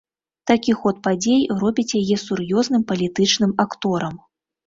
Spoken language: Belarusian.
Такі ход падзей робіць яе сур'ёзным палітычным акторам.